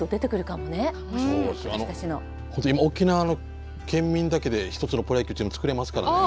本当今沖縄の県民だけで１つのプロ野球チーム作れますから。